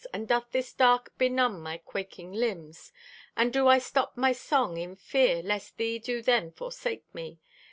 And doth this dark benumb my quaking limbs? And do I stop my song in fear Lest Thee do then forsake me?